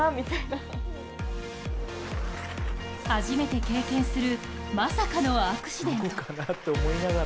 初めて経験するまさかのアクシデント。